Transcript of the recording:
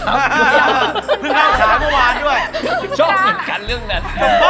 เพิ่งอ้างสารเมื่อวานด้วยชอบเหมือนกันเรื่องนั้น